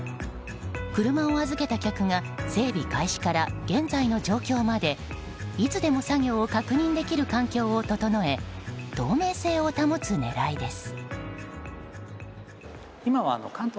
車を預けた客が整備開始から現在の状況までいつでも作業を確認できる環境を整え透明性を保つ狙いです。